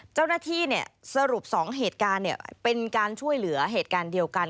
เจ้าหน้าที่สรุป๒เหตุการณ์เป็นการช่วยเหลือเหตุการณ์เดียวกัน